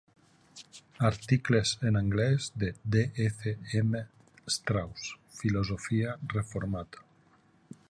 Articles en anglès de D F M Strauss, "Philosophia Reformata".